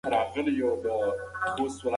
که میندې صابرې وي نو غوسه به نه وي.